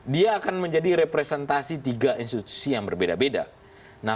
dia akan menjadi representasi tiga institusi yang berbeda beda